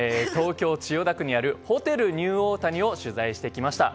東京・千代田区にあるホテルニューオータニを取材してきました。